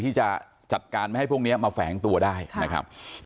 ที่จะจัดการไม่ให้พวกนี้มาแฝงตัวได้นะครับ